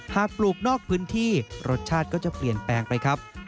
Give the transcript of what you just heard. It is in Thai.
ปลูกนอกพื้นที่รสชาติก็จะเปลี่ยนแปลงไปครับ